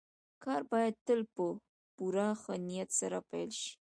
کار بايد تل په پوره ښه نيت سره پيل شي.